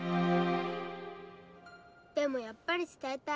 でもやっぱり伝えたい。